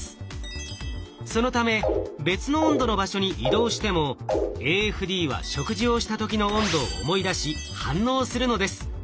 そのため別の温度の場所に移動してもＡＦＤは食事をした時の温度を思い出し反応するのです。